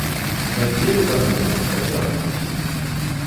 У нядзелю бамбёжкі працягнуліся.